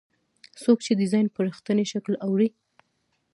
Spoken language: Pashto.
څوک چې ډیزاین په رښتیني شکل اړوي.